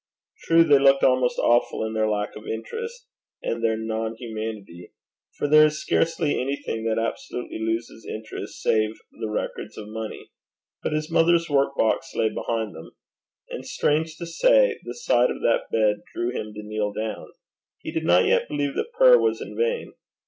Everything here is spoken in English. True, they looked almost awful in their lack of interest and their non humanity, for there is scarcely anything that absolutely loses interest save the records of money; but his mother's workbox lay behind them. And, strange to say, the side of that bed drew him to kneel down: he did not yet believe that prayer was in vain.